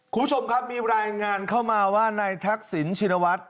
ครูชมมีรายงานเข้ามาว่านัยทักศิลป์ชินวัด